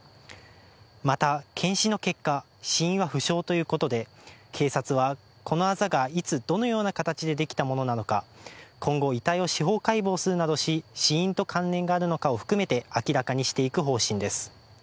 また、検視の結果、死因は不詳ということで警察は、このあざがいつ、どのような形でできたものなのか、今後、遺体を司法解剖するなどし、死因と関連があるのかを含めて明らかにしていく方針です。